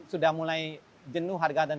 sudah mulai jenuh harga dan